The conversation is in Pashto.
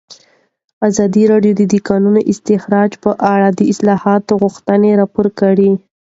ازادي راډیو د د کانونو استخراج په اړه د اصلاحاتو غوښتنې راپور کړې.